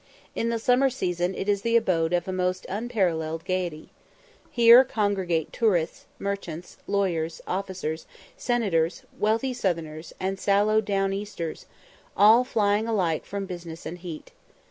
In the summer season it is the abode of almost unparalleled gaiety. Here congregate tourists, merchants, lawyers, officers, senators, wealthy southerners, and sallow down easters, all flying alike from business and heat.